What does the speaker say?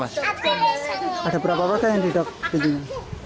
ada berapa warga yang duduk pintunya